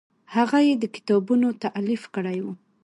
هغه یې د کتابونو تالیف کړی و.